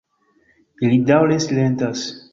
Ili daŭre silentas.